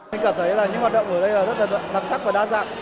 em cảm thấy là những hoạt động ở đây rất là đặc sắc và đa dạng